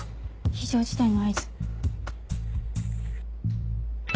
非常事態の合図。